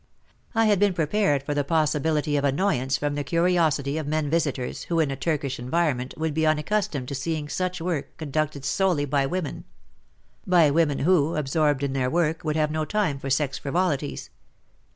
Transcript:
I had been prepared for the possibility of annoyance from the curiosity of men visitors who in a Turkish environment would be unaccustomed to seeing such work conducted solely by women — by women who, absorbed in their work, would have no time for sex frivolities.